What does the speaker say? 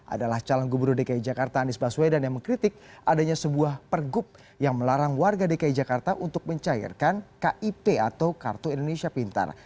adalah calon gubernur dki jakarta anies baswedan yang mengkritik adanya sebuah pergub yang melarang warga dki jakarta untuk mencairkan kip atau kartu indonesia pintar